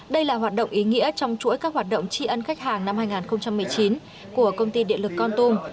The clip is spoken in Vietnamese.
đây là hoạt động ý nghĩa trong chuỗi các hoạt động tri ân khách hàng năm hai nghìn một mươi chín của công ty điện lực con tum